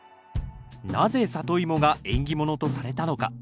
なぜサトイモが縁起物とされたのか？